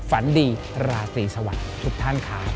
ฝันดีราศรีสวัสดิ์ทุกท่านครับ